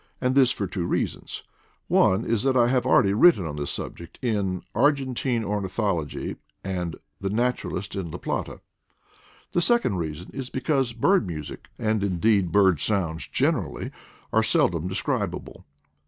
And this for two reasons. One is that I have already written on this subject in Argentine Ornithology and The Naturalist in La Plata. The second reason is because bird music, and, indeed, CALANDEIA MOCKING BIRD BIRD MUSIC IN SOUTH AMERICA 143 bird sounds generally, are seldom describable.